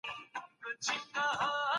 که په ګډه کار وکړو نو لويي ستونزي به حل سي.